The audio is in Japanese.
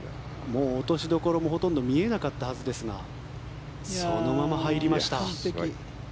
もう落としどころもほとんど見えなかったはずですがそのまま入りました。